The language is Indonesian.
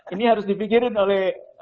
ini harus dipikirin oleh